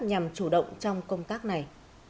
nhằm chủ động trong công tác này